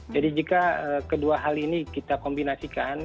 jadi jika kedua hal ini kita kombinasikan